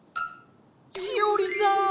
しおりさん！